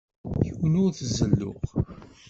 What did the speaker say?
Yiwen ur t-zelluɣ.